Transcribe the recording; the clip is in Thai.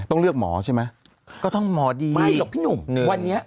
ต้องเลือกหมอใช่ไหมก็ต้องหมอดีไม่หรอกพี่หนุ่มวันนี้